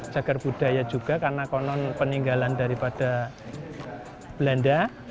jagar budaya juga karena konon peninggalan daripada belanda